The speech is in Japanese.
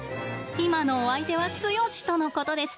今のお相手はツヨシとのことです。